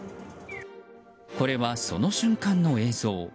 これは、その瞬間の映像。